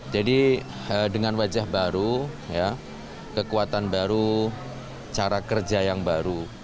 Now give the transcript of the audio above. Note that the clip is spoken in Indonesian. jadi dengan wajah baru kekuatan baru cara kerja yang baru